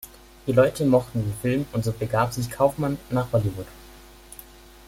Die Leute mochten den Film und so begab sich Kaufman nach Hollywood.